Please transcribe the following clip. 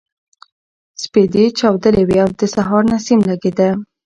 سپېدې چاودلې وې او د سهار نسیم لګېده.